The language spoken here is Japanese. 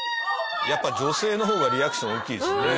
やっぱ女性の方がリアクション大きいですね。